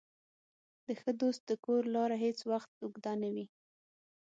د ښه دوست د کور لاره هېڅ وخت اوږده نه وي.